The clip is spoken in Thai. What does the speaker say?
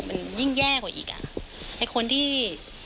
มันยิ่งแย่กว่าอีกอ่ะไอ้คนที่